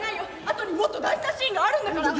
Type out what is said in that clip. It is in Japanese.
あとにもっと大事なシーンがあるんだから。